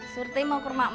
surti mau ke rumah emak